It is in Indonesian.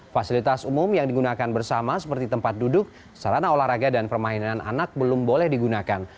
fasilitas umum yang digunakan bersama seperti tempat duduk sarana olahraga dan permainan anak belum boleh digunakan